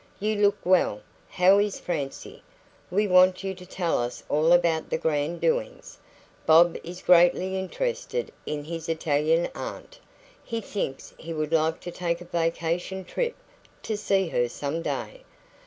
"You look well. How is Francie? We want you to tell us all about her grand doings. Bob is greatly interested in his Italian aunt; he thinks he would like to take a vacation trip to see her some day.